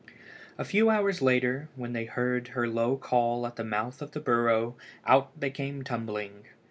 A few hours later, when they heard her low call at the mouth of the burrow, out they came tumbling.